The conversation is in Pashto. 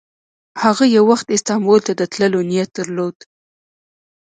هغه یو وخت استانبول ته د تللو نیت درلود.